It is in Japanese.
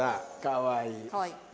かわいい。